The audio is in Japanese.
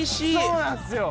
そうなんですよ。